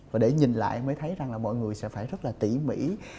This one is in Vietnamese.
và để nhìn lại mới thấy rằng là mọi người sẽ phải rất là tỉ mỉ